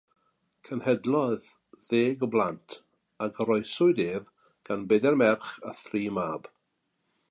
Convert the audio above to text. Cenhedlodd ddeg o blant a goroeswyd ef gan bedair merch a thri mab.